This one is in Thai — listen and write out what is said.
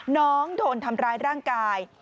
น้องโดนทำร้ายร่างกาย